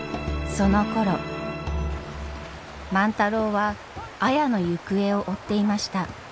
そのころ万太郎は綾の行方を追っていました。